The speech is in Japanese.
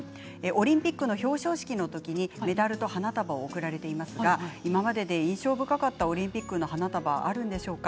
オリンピックの表彰式の時にメダルと花束を贈られていますが今までで印象深かったオリンピックの花束あるんでしょうか？